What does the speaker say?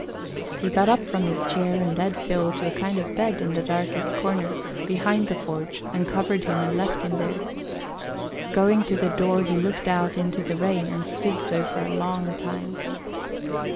He got up from his chair and led Phil to a kind of bed in the darkest corner, behind the forge, and covered him and left him there. Going to the door he looked out into the rain and stood so for a long time.